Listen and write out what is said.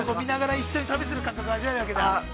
◆一緒に旅する感覚、味わえるわけだ。